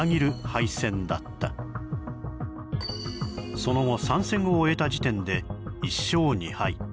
その後３戦を終えた時点で１勝２敗。